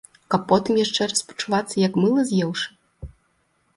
Каб потым яшчэ раз пачувацца як мыла з'еўшы?